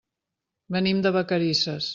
Venim de Vacarisses.